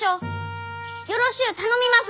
よろしゅう頼みます。